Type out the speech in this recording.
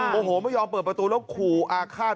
โอ้โหไม่ยอมเปิดประตูแล้วขู่อาฆาต